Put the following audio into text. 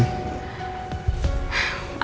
aku udah pernah blok aja sama dia